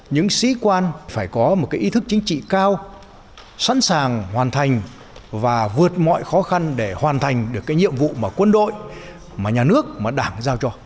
những sĩ quan phải có một cái ý thức chính trị cao sẵn sàng hoàn thành và vượt mọi khó khăn để hoàn thành được cái nhiệm vụ mà quân đội mà nhà nước mà đảng giao cho